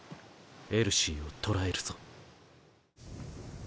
エルシーを捕らえるぞ。